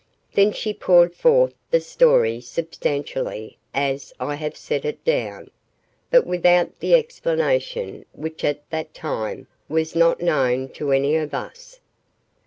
Then she poured forth the story substantially as I have set it down, but without the explanation which at that time was not known to any of us.